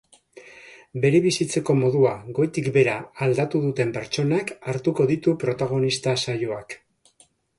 Bere bizitzeko modua goitik behera aldatu duten pertsonak hartuko ditu protagonista saioak.